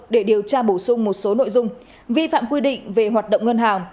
để điều tra bổ sung một số nội dung vi phạm quy định về hoạt động ngân hàng